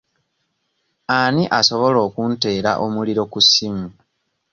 Ani asobola okunteera omuliro ku ssimu?